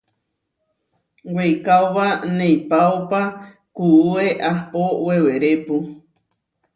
Weikaóba neipáopa kuué ahpó wewerépu.